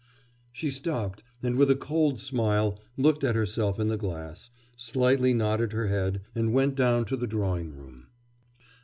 She stopped, and with a cold smile looked at herself in the glass, slightly nodded her head, and went down to the drawing room.